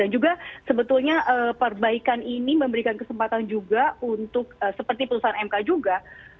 dan juga sebetulnya perbaikan ini memberikan kesempatan juga untuk seperti perusahaan mk juga